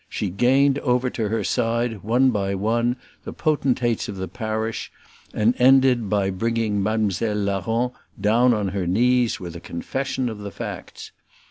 She gained over to her side, one by one, the potentates of the parish, and ended by bringing Mam'selle Larron down on her knees with a confession of the facts.